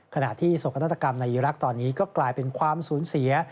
ขณะที่โศกนาฏกรรมในอีรักษ์ตอนนี้ก็กลายเป็นความสูญเสีย